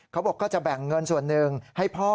เขาบอกก็จะแบ่งเงินส่วนหนึ่งให้พ่อ